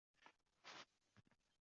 va men buni sezib turibman.